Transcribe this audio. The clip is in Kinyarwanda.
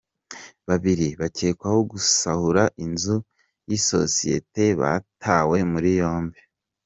Babiri bakekwaho gusahura inzu y’isosiyete batawe muri yombi